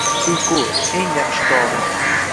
Uyqu – eng yaxshi dori.